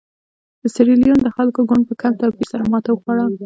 د سیریلیون د خلکو ګوند په کم توپیر سره ماته وخوړه.